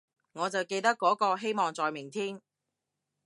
我就記得嗰個，希望在明天